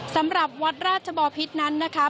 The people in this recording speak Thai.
สำหรับวัดราชบอพิษนั้นนะคะ